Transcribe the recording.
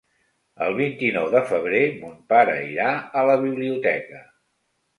El vint-i-nou de febrer mon pare irà a la biblioteca.